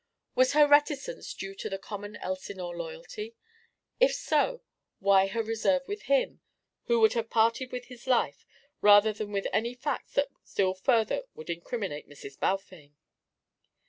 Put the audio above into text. Was her reticence due to the common Elsinore loyalty? If so, why her reserve with him who would have parted with his life rather than with any facts that still further would incriminate Mrs. Balfame.